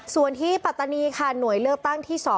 ส่วนที่ปัตตานีค่ะหน่วยเลือกตั้งที่๒